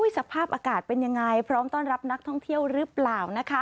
สภาพอากาศเป็นยังไงพร้อมต้อนรับนักท่องเที่ยวหรือเปล่า